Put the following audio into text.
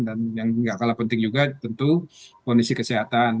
dan yang gak kalah penting juga tentu kondisi kesehatan